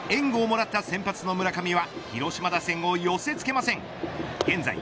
援護をもらった先発の村上は広島打線を寄せ付けません。